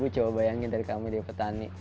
empat coba bayangin dari kami dia petani